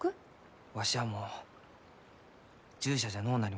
わしはもう従者じゃのうなりました。